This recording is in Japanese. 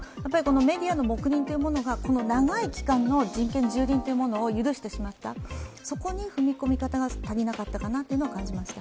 メディアの黙認というものが長い期間の人権じゅうりんを許してしまったそこに踏み込み方が足りなかったかなというのは感じました。